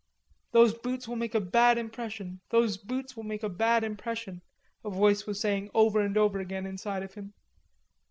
"Those boots will make a bad impression; those boots will make a bad impression," a voice was saying over and over again inside of him.